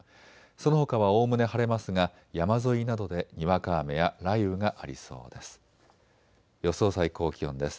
そのほかは、おおむね晴れますが山沿いなどでにわか雨や雷雨がありそうです。